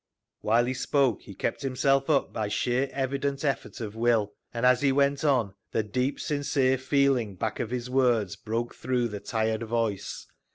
While he spoke, he kept himself up by sheer evident effort of will, and as he went on the deep sincere feeling back of his words broke through the tired voice.